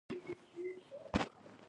دښمن د کرکې سمبول دی